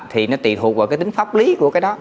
thì nó tùy thuộc vào cái tính pháp lý của cái đó